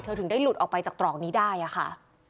ถึงได้หลุดออกไปจากตรอกนี้ได้ค่ะ